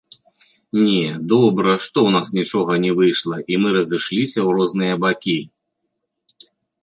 Не, добра, што ў нас нічога не выйшла і мы разышліся ў розныя бакі.